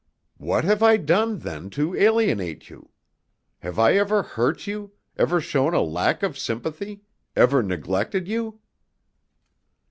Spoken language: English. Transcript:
"What have I done, then, to alienate you? Have I ever hurt you, ever shown a lack of sympathy, ever neglected you?"